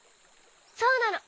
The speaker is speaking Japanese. そうなの。